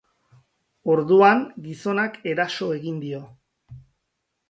Orduan, gizonak eraso egin dio.